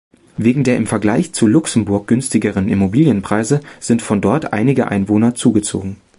Wegen der im Vergleich zu Luxemburg günstigeren Immobilienpreise sind von dort einige Einwohner zugezogen.